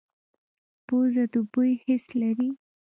پوزه د بوی حس لري